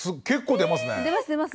結構出ますね。